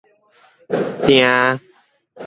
錠